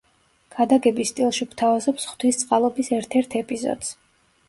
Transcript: ქადაგების სტილში გვთავაზობს „ღვთის წყალობის“ ერთ–ერთ ეპიზოდს.